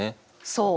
そう。